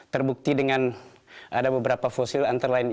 terbukti dengan ada beberapa fosil antara lain